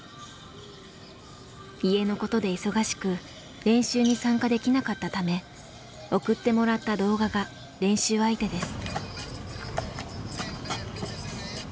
家のことで忙しく練習に参加できなかったため送ってもらった動画が練習相手です。